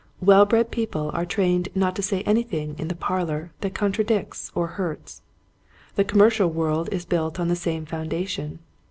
Well bred people are trained not to say anything in the parlor that contradicts or hurts. The com mercial world is built on the same foun dation.